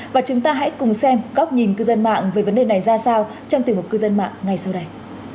và chúng ta hãy cùng xem góc nhìn cư dân mạng về vấn đề này ra sao trong tiểu mục cư dân mạng ngay sau đây